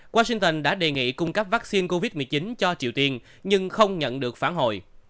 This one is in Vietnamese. washington đã đề nghị cung cấp vaccine covid một mươi chín cho triều tiên nhưng không nhận được phản hồi